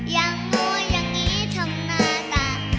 อย่างธุระยังงี้ทำหน้ากลาง